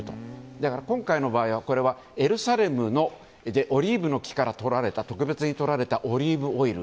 だから今回の場合はエルサレムでオリーブの木から特別にとられたオリーブオイル。